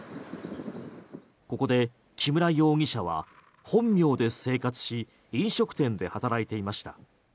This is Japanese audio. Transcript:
ここで木村容疑者は本名で生活し飲食店で働いていました。